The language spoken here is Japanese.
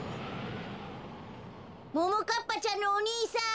・ももかっぱちゃんのお兄さん！